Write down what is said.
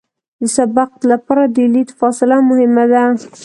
د سبقت لپاره د لید فاصله مهمه ده